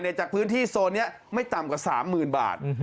จากพื้นที่โซนนี้ไม่ต่ำกว่า๓๐๐๐บาท